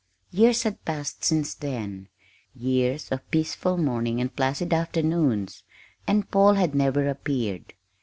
Years had passed since then years of peaceful mornings and placid afternoons, and Paul had never appeared.